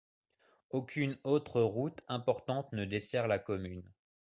Aucune autre route importante ne dessert la commune.